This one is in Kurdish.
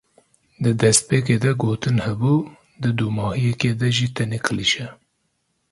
Di despêkê de gotin hebû di dûmahîkê de jî tenê klîşe.